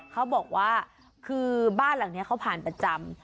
เขาบอกว่าคือบ้านหลังนี้เขาผ่านประจำ